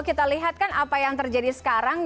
kita lihat kan apa yang terjadi sekarang